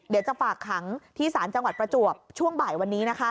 เดี๋ยวจะฝากขังที่ศาลจังหวัดประจวบช่วงบ่ายวันนี้